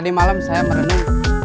tadi malam saya merenung